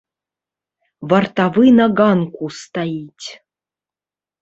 Вартавы на ганку стаіць.